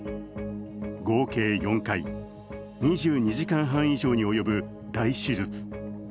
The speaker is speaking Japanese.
合計４回、２２時間半以上に及ぶ大手術。